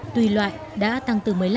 tùy loại đã tăng từ một mươi năm